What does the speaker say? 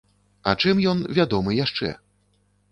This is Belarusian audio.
А чым ён вядомы яшчэ?